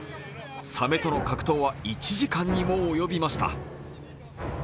さめとの格闘は１時間にも及びました。